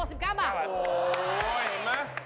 อันไหน๖๙บาทโอ้โหเห็นมั้ย